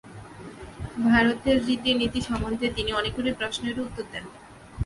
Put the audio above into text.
ভারতের রীতি-নীতি সম্বন্ধে তিনি অনেকগুলি প্রশ্নেরও উত্তর দেন।